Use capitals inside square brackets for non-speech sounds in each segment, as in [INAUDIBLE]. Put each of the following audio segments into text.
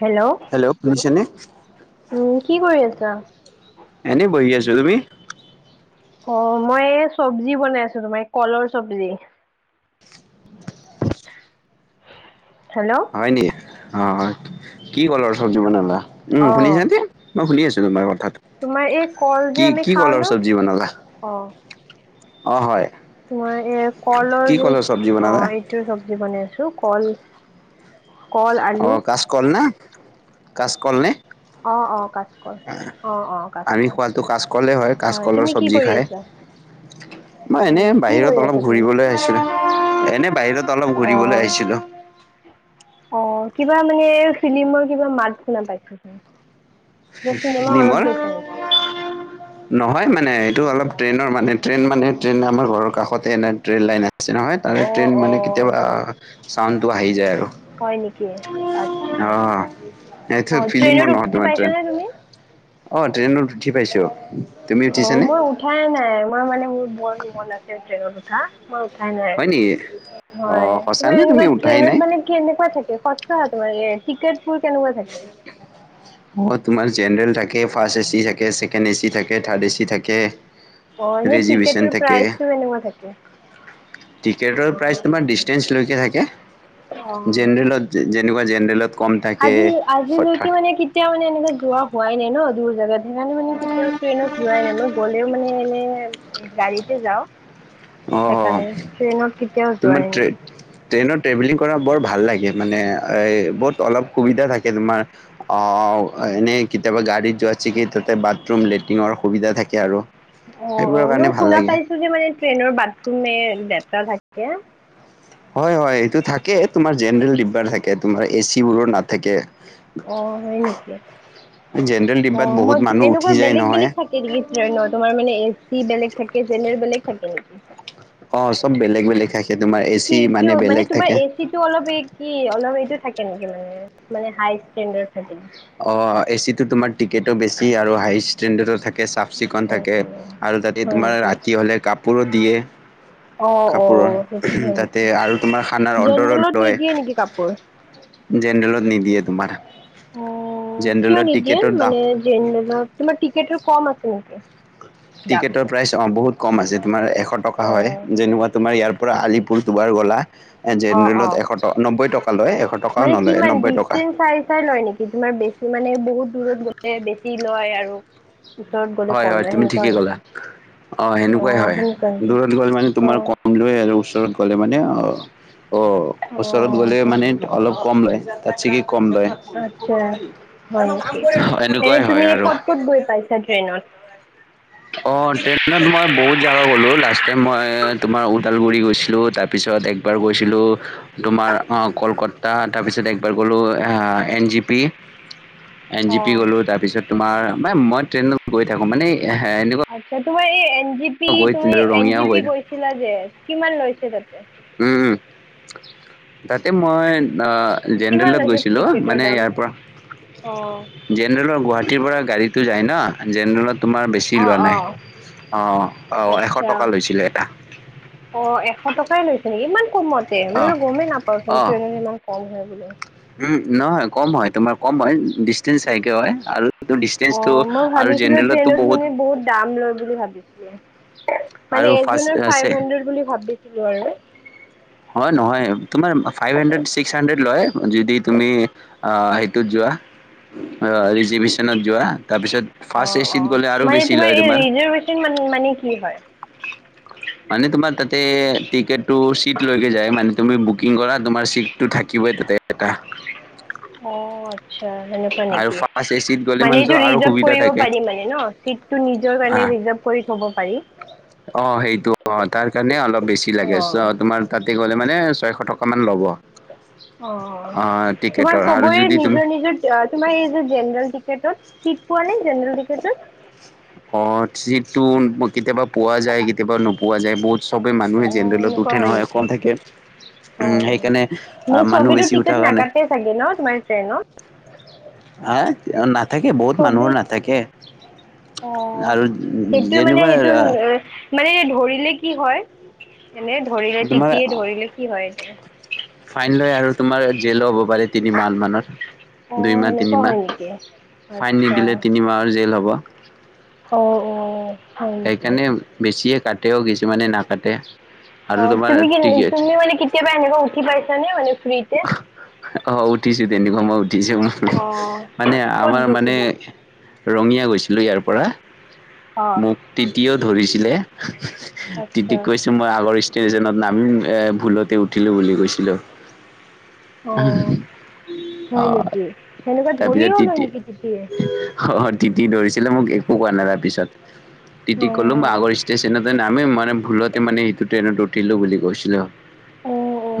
Hello কি কৰি আছা। এনেই বহি আছোঁ তুমি? অ' মই এই চব্জি বনাই আছো ৰবা এই কলৰ চব্জি। [UNINTELLIGIBLE] হয় নি অ' কি কলৰ চব্জি বনালা? উম অ শুনিছা নে মই শুনি আছো। তোমাৰ তোমাৰ এই কল যে কি আমি কি খাওঁ কলৰ ন চব্জি বনালা? অ অ' হয়। তোমাৰ এই কলৰ কি যে চব্জি অ' বনালা? এইটোৰ চব্জি বনাই আছো। শু কল কল আলু অ' কাচকল না কাচকলনে? অ' অ' কাচকল, অ' অ' আমি কাচকল খোৱাটো কাচকলে হয়। কাচকলৰ তুমি কি চব্জি কৰি খায়। আছা? অ [UNINTELLIGIBLE] মই এনে বাহিৰত অলপ ঘুৰিবলৈ আহিছিলো এনে বাহিৰত অলপ অ ঘূৰিবলৈ আহিছিলো। অ কিবা মানে ফিলিমৰ কিবা মাত শুনা পাইছো। কিবা চিনেমা হলত নিমৰ গৈছে নেকি? নহয় মানে এইটো অলপ ট্ৰেইনৰ মানে ট্ৰেইন মানে ট্ৰন আমাৰ ঘৰৰ কষতে এনে ট্ৰেইন লাইন আছে। নহয় তাৰে অ ট্ৰেইন মানে অ কেতিয়াবা চাউণ্ডটো আহি যায় আৰু। হয় নেকি আচ্ছা অ' এইটো অঁ ট্ৰেইনত ফিলি্মৰ নহয় উঠি তোমাৰ টে পাইছানে তুমি অ' ট্ৰেইনত উঠি পাইছো। অ' মই উঠাইে নাই মই মানে মোৰ বন মন আছে ট্ৰেইনত উঠা। মই উঠা নাই হয় নেকি হয় অঁ তোমাৰ সঁচানে তুমি এনেকুৱা উঠাই ট্ৰেইনত নাই মানে কি এনেকুৱা থাকে সচ তোমাৰ টিকটবোৰ কেনেকুৱা থাকে? অঁ তোমাৰ জেনেৰেল থাকে, ফাৰ্ষ্ট এ চি থাকে, ছেকেণ্ড এ চি থাকে, থাৰ্ড এ চি থাকে। অ' এনে ৰিজিভিশ্যন টিকেটৰ প্ৰাইচটো কেনেকুৱা থাকে? টিকটৰ প্ৰাইচ তোমাৰ ডিচেঞ্চলৈকে থাকে জেনেৰেলত যেনেুৱা আজিল আজিলৈকে মানে কেতিয়া মানে এনেকা যোৱা হোৱাই নাই ন দূৰ জাগাত। সেইকাৰণে মানে কেতিয়াও ট্ৰেইনত ধোৱাই নাই মই গ'লেও মানে এনে গাড়ীতে যাওঁ। সেইকাৰণে অ' ট্ৰেইনত কেতিয়াও যোৱাই তোমাৰ নাই ট্ৰেইনৰ ট্ৰেভেলিং কৰা বৰ ভাল লাগে মানে এই বহুত অলপ সুবিধা থাকে তোমাৰ অ' এনেই কেতিয়াবা গাড়ীত যোৱাট ছগি তাতে বাথৰুম লেট্ৰিনৰ সুবিধা থাকে আৰু। অ', সেইবোৰৰ অ', মই কাৰণে ভাল শুনা লাগে পাইছো যে মানে ট্ৰেইনৰ বাট তু মে লেটৰা থাকে। হয় হয় এটো থাকে তোমাৰ জেনেৰেল ডিব্বাৰ থাকে তোমাৰ এ চিবোৰো নাথাকে। আহ হয় নেকি? জেনেৰেল অ ডিব্বাত বহুত মই মানুহ এনেকুৱা উঠি যায় বেলেগ নহয় বেলেগ থাকে নেকি তোমাৰ মানে সি বেলেগ থাকে জেনেল বেলেগ থাকে নেকি অ চব বেলেগ বেলেগ থাকে তোমাৰ এ চি কি কিয় মানে বেলেগ তোমাৰ থাকে এচি টো অলপ এই কি অলপ এইটো থাকে কেনেকে মানে মানে হাই ষ্টেডাৰ থ অ এচিতো তুমাৰ টিকতো বেছি আৰু হাইষ্ট থ চাফ চিকুণ অ' থাকে আৰু যাতে হয় তোমাৰ নেকি ৰাতি হ'লে কাপোৰো দিয়ে অ' কাপোৰৰ অ' সেইটো হয় তাতে নেকি আৰু তোমাৰ খানাৰ অৰ্ডাৰো জেনেৰেলত লয় নিদিয়ে নেকি কাপোৰ জেনেৰেলত নিদিয়ে তোমাৰ অ কিয় জেনেৰেলত নিদিয়ে টিকেটৰ দাম মানে জেনেৰেলত তোমাৰ টিকটৰ কম আছে নেকি টিকেটৰ দামটো প্ৰাইচ অ বহুত কম আছে তোমাৰ এশ টকা হয় অ' যেনেকুৱা তোমাৰ ইয়াৰ ৰা আলিপুৰ দুবাৰ গলা এ অ', জেনেৰেলত অ'। এশ নব্বৈ টকা লয় এশ টকাও মানে নলয় কিমান নব্বৈ টকা ডিচেঞ্চ চাই চাই লয় নেকি তোমাৰ বেছি মানে বহুত দূৰত গ এ বেছি লয় আৰু ওচৰত গ'লে হয় কম হয় লয় তুমি সেনেকুৱা ঠিকেই হয় ক'লা নেকি? আহ সেনেকুৱাই অ', হয় সেনেকুৱা নেকি? দূৰত গলে মানে তোমাৰ অ', কম লয় আৰু ওচৰত গ'লে মানে আহ অ ওচৰত অ', গ'লে মানে অলপ কম লয় তাত ছাগে কম লয়। আচ্ছা হয় নেকি? এনে এনেকুৱাই হয় তুমি আৰু ক'ত ক'ত গৈ পাইছা ট্ৰেইনত? অ ট্ৰেইনত মই বহুত জগা গ'লো লাষ্ট টাইম মই তোমাৰ তাত বকুলগুৰী গৈছিলো তাৰপিছত একবাৰ গৈছিলো তোমাৰ অ কলকতা তাৰপিছত একবাৰ গলো আৰু আ N G P N G P অ'। গ'লো তাৰপিছত তোমাৰ ম মই ট্ৰেইনত গৈ থাকো মানে এনেকুৱা আচ্ছা তোমাৰ এই এন জি পি গৈ তুমি এন জি ৰঙিয়াও গৈ পি থাকো কৈছিলা যে কিমান লৈছে তাত উম তাতে মই কিমান জেনেৰেলত লৈছে গৈছিলোঁ টিকেটৰ মানে দাম? ইয়াৰ পৰা অ', জেনেৰেলৰ গুৱাহাটীৰ পৰা গাড়ীতো যায় ন জেনেৰেলত তোমাৰ বেছি অ', লোৱা নাই অ', অঁ অঁ এশ আচ্ছা। টকা লৈছিলে এটা অ এশ টকাই লৈছে ইমান কমতে মইো অ', গমেই নাপাওঁচোন অ', ট্ৰনত ইমান কম হয় বোলে উম, নহয় কম হয় তোমাৰ কম হয় ডিষ্টেন্ঞ্চ চাইকে হয় আৰু অ ডিচটেন্সটো মই আৰু ভাবিছিলো জেনেৰেলতো ট্ৰেইনত মানে বহুত দাম লয় বুলি ভাবিছিলো আৰু মানে ফাৰ্ষ্ট এজনৰ আছে ফাইভ হাড্ৰেড বুলি ভাবিছিলো আৰু হয় নহয় তোমাৰ ফাইভ হুন্দ্ৰেদ সীষ্ট হাড্ৰড ল যদি তুমি সেইটোত যোৱা ৰিজিচনত যোৱা তাৰপিছত অ ফাৰ্ষ্ট অ এচিত গ'লে আৰু মানে বেছি তোমাৰ লয় এই ৰিজাৰভেশচন মানে কি হয় মানে তোমাৰ তাতে টিকেট টো চিট লকে য মে তুমি বুকিং কৰা তোমাৰ চি থাকিব দেটা অ আচ্ছা সেনেকুৱা নেকি ফাৰ্ষ্ট এচিত গ'লে মানে মানেতো এইটো আৰু ৰিজাৰ্ভ সুবিধা কৰিব থাকে পাৰি মানে ন' চিটটো নিজৰ হা কাৰণে জব কৰি থব পাৰি অ সেইটো অ তাৰ কাৰণে অলপ বেছি লাগে চ অ' তোমাৰ তাতে গলে মানে ছয়শ টকা মান ল'ব অ তোমাৰ টিকেটৰ আৰু চবৰে যদি তুমি নিজৰ নিজৰ আ তোমাৰ এই যে জেনেৰেল টিকেটত, চিট পোৱা নে জেনেৰেল টিকেটত? অ যিটো কেতিয়াবা পোৱা যায় কেতিয়াবা নোপোৱা যায় বহুত চবেই অ মানুহে জেনেৰেল এনেকুৱা উঠে হয় নহয়, নেকি কম থাকে। উম অ', অ', সেইকাৰণে মানে মানুহ চবেটো বেছি টিকত উঠাৰ কাৰণে নাকাটে চাগে ন' তোমাৰ ট্ৰেনত? ইয়াত নাথাকে, বহুত মানুহ নাথাকে। অ', আৰু সেইটো মানে যেনিবা সেইটো, এ মানে এই ধৰিলে কি হয় এনে ধৰিলে তোমাৰ তিতিয়ে ধৰিলে কি হয় এনে ফাইন লয় আৰু তোমাৰ জেলো হ'ব পাৰে তিনি মাহ মানৰ অ দুই মাহ, তিনি সেনেকুৱা হয় নেকি মাহ ফাইন আচ্ছা নিদিলে তিনিমাহৰ জেইল হ'ব। অ অঔ সেই কাৰণে বেছিয়ে কাটেও, কিছুমানে নাকাটে। অ আৰু তোমাৰ তুমি, টিকেট তুমি মানে কেতিয়াবা এনেকুৱা উঠি পাইছা নে মানে ফ্ৰীতে অ' উঠিছো তেনি ঘম উঠ অ মানে ক'ত আমাৰ মানে গৈছিলা ৰঙীয়া গৈছিলো ইয়াৰ পৰা। অ মোক তিতিও ধৰিছিলে আচ্ছা তিতিক কৈছো মই আগৰ ষ্টেছনত নামিম এ ভুলতে উঠিলো বুলি কৈছিলো। অ', অ, হয় নেকি সেনেকুৱা তাৰপিছত ধৰিও লয় তিতি নেকি টিটিয়ে অ, তিতি ধৰিছে। মোক একো কোৱা নাই তাৰ পিছত অ', তিতি কলো মই অ', আগৰ ষ্টেচনতে নামিম মানে ভুলত মানে সেইটো ট্ৰেইনত উঠিলো বুলি কৈছিল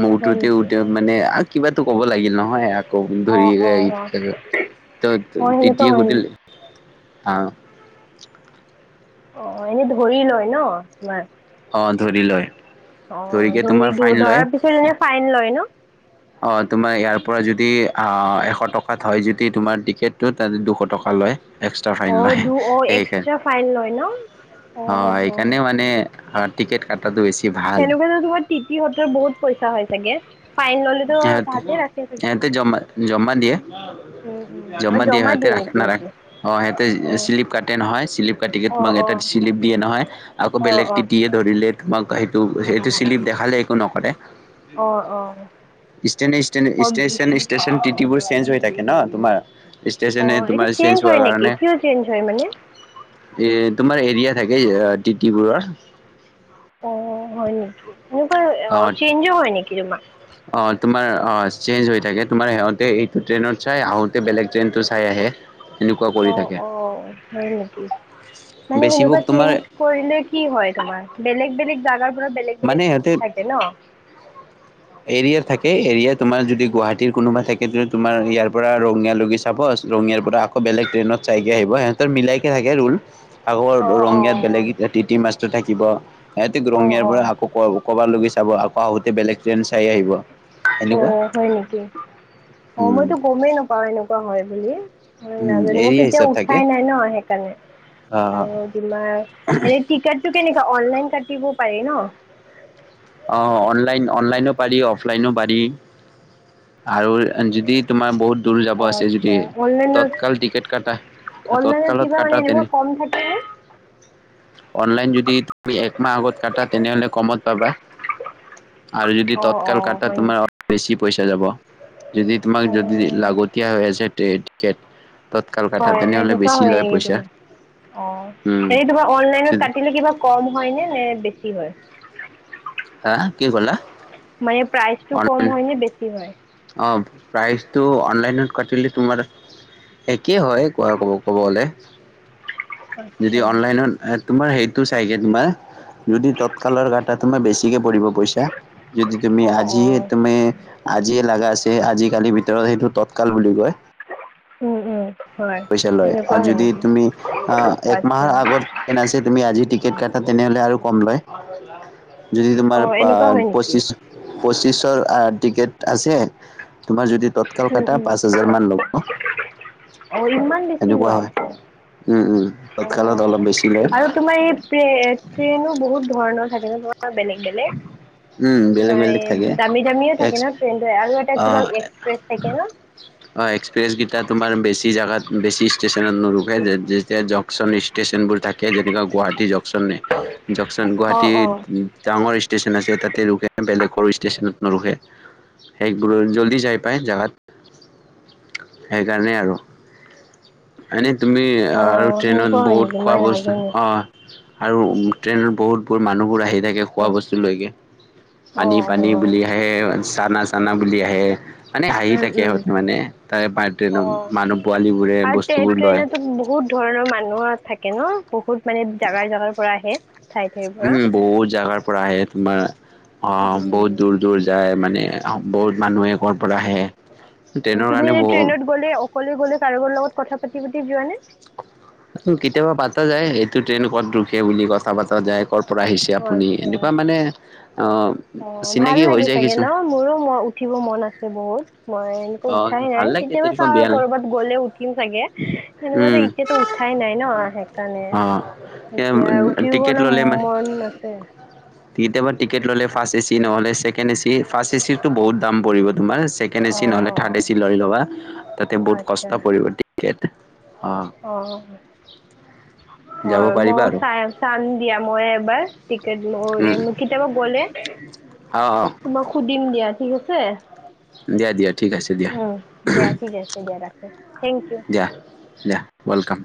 মই হয় উঠোতে নেকি? মানে কিবাটো ক'ব লাগিল নহয়। ধৰি অ', অ', অ', ত-তই অ', সেনেকুৱা তেতিয়ে হয় নেকি? সুধিলি আহ [INAUDIBLE] অ', অ এনেই ধৰি লয় ন তোমাৰ? অ ধৰি লয়। অ' ধৰিকে তোমাৰ ধৰি ফাইন লয় ধৰাৰ পিছত এনে ফাইন লয় ন? অ' তোমাৰ ইয়াৰ পৰা যদি এশ টকাত হয় যদি তোমাৰ টিকেটটো তাতে দুশ টকা লয়। একস্ৰা ফাইন অ', লয় দু অ', সেয়কাৰনে এক্সট্ৰা ফাইন লয় ন? অ', অ' অ', সেইকাৰণে মানে হা টিকেট কাটাটো হৈছে সেনেকুৱা যে তোমাৰ তিতি সত্ৰৰ বহুত পইচা হয় চাগে? ফাইন ল'লে তো সিহঁতে তাহাতে ৰাখে চাগে? সিহঁতে জমা জমা দিয়ে। উম, উম, অ', জমা দিয়ে সিহঁতে ৰা- নেকি সেইটো? নাৰাখে অ সিহঁতে অ', শ্লিপ কাটে নহয় শ্লিপ কাটি তোমাক অ', এটা অ', চিলিপ দিয়ে নহয় আকৌ অ', বেলেগ অ', টিটিয়ে ধৰিলে তোমাক সেইটো- সেইটো শ্লিপ দেখালে একো নকৰে। অ' অ। এষ্টেচন অ', এষ্টেচন ষ্টেচনৰ তিতিবোৰ চেঞ্জ হৈ থাকে ন তোমাৰ। ষ্টেচনে অ', এইটো তোমাৰ চেঞ্জ হয় হোৱাৰ নেকি? কাৰণে কিয় চেঞ্জ হয় মানে? এ, তোমাৰ এৰিয়া থাকে টিটিবোৰৰ। অ' হয় নেকি এনেকুৱা অ চেনঞ্জো হয় নেকি তোমাৰ? অ তোমাৰ অ চেঞ্জ হৈ থাকে তোমাৰ সিহঁতে এইটো ট্ৰেইনত চাই আহোঁতে বেলেগ ট্ৰেইনটো চাই আহে। এনেকুৱা কৰি অ' থাকে অঔ হয় নেকি? মানে বেছিভাগ সেনেকুৱা তোমাৰ চেঞ্জ কৰিলে কি হয় তোমাৰ বেলেগ বেলেগ জাগাৰ পৰা বেলেগ মানে বেলেগ সিহঁতে টিটি থাকে ন। এৰিয়াৰ থাকে এৰিয়া তোমাৰ যদি গুৱাহাটীৰ কোনোবা থাকে তেতিয়া তোমাৰ ইয়াৰ পৰা ৰঙিয়া লৈকে চাব ৰঙিয়াৰ পৰা আকৌ বেলেগ ট্ৰেইনত চাইকে আহিব সিহঁতৰ মিলাইকে থাকে ৰোল। আগৰ অ অ ৰঙিয়াত বেলেগ তিতি মাষ্টৰ থাকিব সহতি অ ৰঙিয়াৰ অ পৰা আকৌ ক ক'বালৈ চাব আকৌ আহোতে বেলেগ ট্ৰেইন চাই আহিব। অ', সেনেকুৱা হয় নেকি অ' উম মইতো গমেই নাপাও এনেকুৱা হয় বুলি। মই উম নাজানো ময় এৰিয়া কেতিয়াও হিচাপ থাকে উঠাই নাই ন সেইকাৰণে। আহ আৰু তোমাৰ এনে টিকটটো কেনেকা অনলাইন [UNINTELLIGIBLE] পাৰি ন? অ' অনলাইনও পাৰি অফ লাইনো পাৰি। আৰু যদি তোমাৰ বহুত দূৰ অ যাব আছে যদি আচ্ছা অনলাইনত তৎকাল টিকেট কাটা। অনলাইনত তৎকালত কিবা মানে কাটা এনেকুৱা তেনে কম থাকে নে অনলাইন যদি তুমি একমাহ আগত কাটা তেনেহলে কমত পাবা। আৰু যদি অ অ তৎকাল কাটা হয় তোমাৰ নেকি বেছি পইচা যাব। যদি তোমাক যদি অ লাগতিয়া হৈ আছে টি-টিকেট হয়, এনেকোৱা হয়। এনে কি তুমি অহ, উম হেৰি ধৰা অনলাইনত কাটিলে কিবা কম হয় নে বেছি হয়? হা, কি কলা? মানে প্ৰাইচটো কম হয় নে বেছি হয়? অহ প্ৰাইচটো অনলাইনত কাটিলে তোমাৰ একেই হয় কোৱা ক'ব গলে যদি আচ্ছা অনলাইনত তোমাৰ সেইটো চাইডে তোমাৰ যদি তৎকালৰ কাটা তোমাৰ বেছিকে পৰিব পইচা। যদি তুমি অঁ আজি অঁ তুমি আজি লগা আছে আজি কালিৰ ভিতৰত সেইটো তৎকাল বুলি কয়। [UNINTELLIGIBLE] হয় পইচা লয় আৰু এনেকুৱা হয় যদি নেকি তুমি আহ এক আচ্ছা মাহৰ আগত টিকেট আছে তুমি আজি টিকেট কটা তেনেহ'লে আৰু কম লয় যদি তোমাৰ অঁ এনেকুৱা হয় নেকি পঁচিছ পঁচিশৰ টিকেট আছে তোমাৰ যদি তৎকাল কটা পাঁচ হোজাৰমান ল'ব। অহ, ইমান বেছি সেনেকুৱা লই। হয় উম উম অ, তৎকালত অলপ বেছি লয় আৰু তোমাৰ এই প্ৰে ট্ৰেইনো বহুত ধৰণৰ থাকে নহ। অহ, বেলেগ-বেলেগ। উম বেলেগ তোমাৰ এ বেলেগ থাকে দামী, দামি থাকে এক্স নহ ট্ৰেন আৰু এটা কিবা এক্সপ্ৰেছ থাকে নহ। অহ। এক্সপ্ৰেছ গীতা তোমাৰ বেছি জাগাত বেছি ষ্টেচন। যেতিয়া জংচন ষ্টেচনবোৰ থাকে যেনেকুৱা গুৱাহাটী জংচন ষ্টেচন। অঁ গুৱাহাটীত অঁ ডাঙৰ ষ্টেচন আছে তাতে লোকেশন বেলেগৰ। ষ্টেচনত নৰোখে সেইবোৰ জলদি যাই পায় জাগাত। সেইকাৰণেই আৰু আজি। তুমি আৰু অঁ সেনেকুৱা ট্ৰেইনত হয় বহুত নেকি মই খোৱা বস্তু নাজানো অহ। আৰু ট্ৰেইনত বহুত বোৰ মানুহবোৰ আহি থাকে খোৱা বস্তু লৈ। অ', অ পানী, পানী বুলি আহে চানা, চানা বুলি আহে। মানে হাঁহি উম, থাকে উম। নহ। মানে তাৰে অ', মানুহ পোৱালিবোৰে তাৰে আৰু ট্ৰে বস্তুবোৰ লয়। ট্ৰেইনতো বহুত ধৰণৰ মানুহ থাকে নহ। বহুত মানু্হ বহুত জাগাৰ, জাগাৰ পৰা আহে। ঠাই ঠাইৰ পৰা। উম, বহুত জাগাৰ পৰা আহে। তোমাৰ অ উম। বহুত দূৰ, দূৰ যায়। মানে বহুত মানুহে ক'ৰ পৰা আহে। উম। ট্ৰেইনৰ তুমি কাৰণে এনে বহু ট্ৰেইনত গ'লে অকলে গ'লে কাৰোবাৰ লগত কথা পাতি পাতি যোৱানে। কেতিয়াবা পাতা যায় এইটো ট্ৰেইন ক'ত ৰোখে বুলি কথা পাতা যায় ক'ত। পৰা আহিছে অ', আপুনি। আচ্ছা। এনেকুৱা মানে। অ ভাল চিনাকি হৈ লাগি যায় চাগে কিছু ন মোৰো ম উঠিব মন আছে বহুত। মই এনেকুৱা অ', উঠাই ভাল নাই। লাগে কেতিয়াবা তেনেকুৱা চাওঁ বেয়া নালাগে কৰবাত গ'লে উঠিম চাগে। সেনেকুৱা যে উম, এতিয়াতো উঠাই নাই। নাই নহ সেইকাৰণে। এতিয়া অ', টিকেট উঠিবলৈ মন আছে। কেতিয়াব টিকেট ল'লে ফাৰ্ষ্ট এচি নহ'লে ছেকেণ্ড এচি ফাৰ্ষ্ট এচিৰ টো বহুত দাম পৰিব তোমাৰ। ছেকেণ্ড এ' চি অ', নহ'লে থাৰ্ড এ অ', 'চি লৈ ল'বা তাতে বহুত কষ্ট পৰিব টিকেট। অঁ অহ, যাব হয়, পাৰিবা মই আৰু চাই চাম দিয়া মই এবাৰ। টিকট উম, কেতিয়াবা গ'লে অঁ অঁ তোমাক সুধিম দিয়া। ঠিক আছে। দিয়া দিয়া ঠিক আছে দিয়া উম দিয়া ঠিক আছে দিয়া ৰাখো থেংক ইউ। দিয়া দিয়া ৱেলকাম।